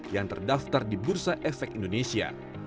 yang terdaftar di bursa efek indonesia